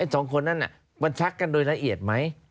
สองคนนั้นมันชักกันโดยละเอียดไหม